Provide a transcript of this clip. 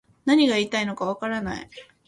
何が言いたいのかわからない